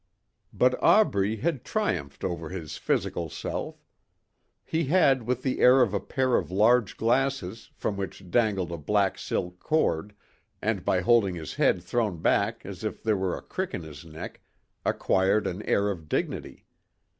But Aubrey had triumphed over his physical self. He had with the aid of a pair of large glasses from which dangled a black silk cord, and by holding his head thrown back as if there were a crick in his neck, acquired an air of dignity.